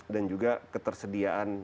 dan juga ketersediaan